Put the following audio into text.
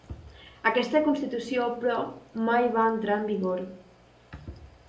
Aquesta constitució, però, mai no va entrar en vigor.